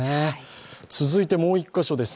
続いてもう１か所です。